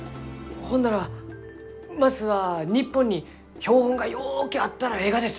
ほんならまずは日本に標本がようけあったらえいがですね？